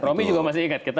romy juga masih ingat